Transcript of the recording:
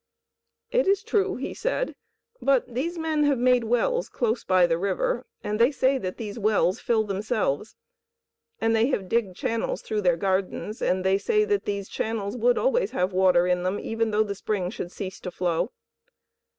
"It is true," he said; "but these men have made wells close by the river, and they say that these wells fill themselves; and they have digged channels through their gardens, and they say that these channels would always have water in them even though the spring should cease to flow.